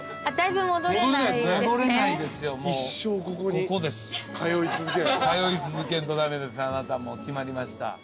あなたもう決まりました。